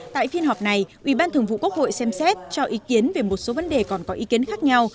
tại phiên họp này ubthq xem xét cho ý kiến về một số vấn đề còn có ý kiến khác nhau